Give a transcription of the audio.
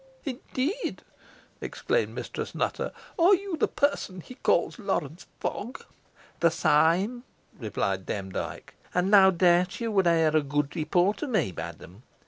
"Indeed!" exclaimed Mistress Nutter, "are you the person he called Lawrence Fogg?" "The same," replied Demdike; "and no doubt you would hear a good report of me, madam.